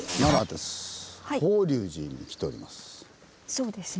そうですね。